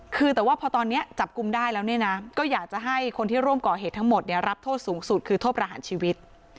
คือแต่ว่าพอตอนนี้จับกลุ่มได้แล้วเนี่ยนะก็อยากจะให้คนที่ร่วมก่อเหตุทั้งหมดเนี่ยรับโทษสูงสุดคือโทษประหารชีวิต